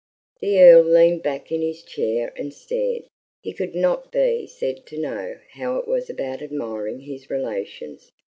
The Earl leaned back in his chair and stared. He could not be said to know how it was about admiring his relations.